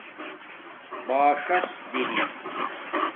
باݽس دری